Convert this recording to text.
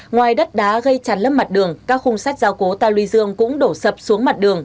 ngoài đất đá gây chặt lấp mặt đường các khung sách giao cố ta luy dương cũng đổ sập xuống mặt đường